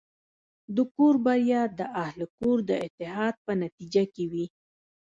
د کور بریا د اهلِ کور د اتحاد په نتیجه کې وي.